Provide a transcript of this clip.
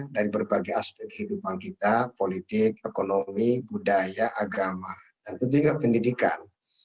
dari berbagai aspek kehidupan kita politik ekonomi budaya agama dan tentu juga pendidikan